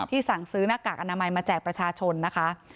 สั่งซื้อหน้ากากอนามัยมาแจกประชาชนนะคะ